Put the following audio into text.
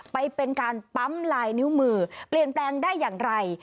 ไปเป็นการปั๊มลายนิ้วมือเปลี่ยนแปลงได้อย่างไร